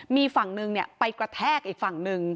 มีฝั่งหนึ่งไปกระแทกอีกฝั่งหนึ่ง